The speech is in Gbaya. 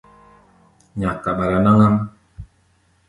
Nyak kaɓala náŋ-ám.